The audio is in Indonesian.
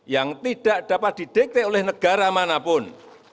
yang tidak dapat didikte oleh negara manapun